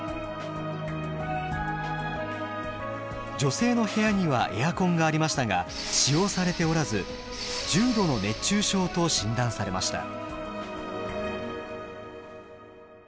女性の部屋にはエアコンがありましたが使用されておらず重度の熱中症と診断されました。